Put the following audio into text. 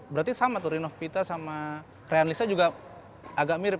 berarti sama tuh rinov pita sama ryan lisa juga agak mirip